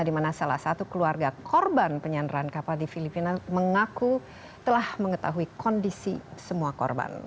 di mana salah satu keluarga korban penyandaran kapal di filipina mengaku telah mengetahui kondisi semua korban